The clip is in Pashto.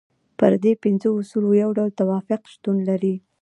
پر دې پنځو اصولو یو ډول توافق شتون لري.